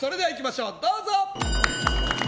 どうぞ。